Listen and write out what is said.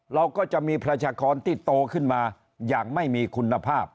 เราก็จะมีประชากรที่โตขึ้นมาอย่างไม่มีคุณภาพ